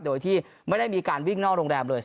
โดยที่ไม่ได้มีการวิ่งนอกโรงแรมเลย